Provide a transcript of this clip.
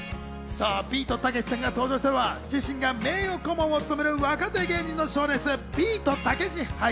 さぁビートたけしさんが登場したのは自身が名誉顧問を務める若手芸人の賞レース「ビートたけし杯」。